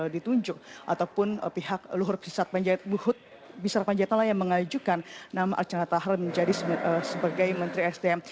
ditunjuk ataupun pihak luhut bin sar panjaitan yang mengajukan nama archandra thakar menjadi sebagai menteri sdm